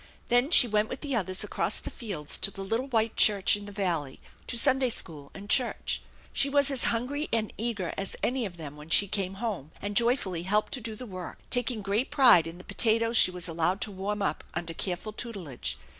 Then she went with the others across the fields to the little white church in the valley to Sunday school and church. She was as hungry and eager as any of them when she came home, and joyfully helped to do the work, taking great pride in the potatoes she was allowed to warm up under careful tutelage.